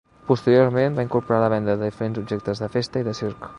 Posteriorment va incorporar la venda de diferents objectes de festa i de circ.